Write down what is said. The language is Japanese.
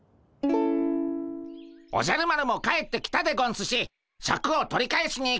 おじゃる丸も帰ってきたでゴンスしシャクを取り返しに行くでゴンス！